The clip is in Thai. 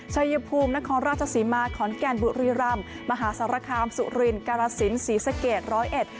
ชัยภูมินครราชสีมาขอนแก่นบุรีรำมหาสารคามสุรินกรสินศรีสะเกดร้อยเอ็ด